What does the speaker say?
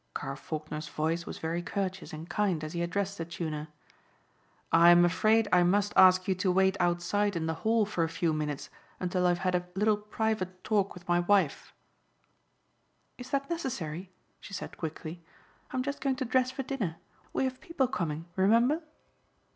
Carr Faulkner's voice was very courteous and kind as he addressed the tuner. "I'm afraid I must ask you to wait outside in the hall for a few minutes until I have had a little private talk with my wife." "Is that necessary," she said quickly. "I'm just going to dress for dinner. We have people coming, remember."